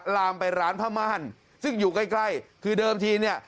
ลามไปร้านผ้าม่านซึ่งอยู่ใกล้ใกล้คือเดิมทีเนี่ย